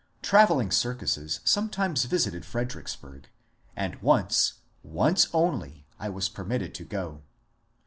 Travelling circuses sometimes visited Fredericksburg, and once — once only — I was permitted to go.